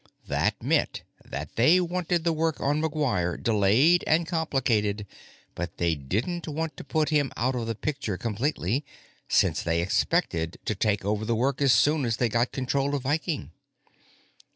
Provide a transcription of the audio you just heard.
That meant that they wanted the work on McGuire delayed and complicated, but they didn't want to put him out of the picture completely, since they expected to take over the work as soon as they got control of Viking.